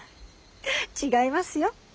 違いますよ。